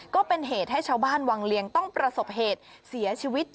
ก็เป็นเหตุให้ชาวบ้านวังเลียงต้องประสบเหตุเสียชีวิต